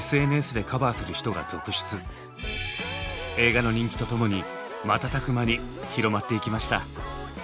映画の人気とともに瞬く間に広まっていきました。